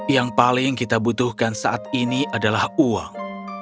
yang paling kita butuhkan saat ini adalah uang